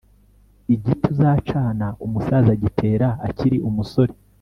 igiti uzacana umusaza agitera akiri umusore